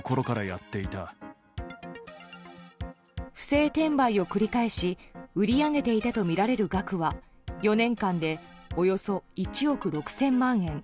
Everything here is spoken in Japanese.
不正転売を繰り返し売り上げていたとみられる額は４年間でおよそ１億６０００万円。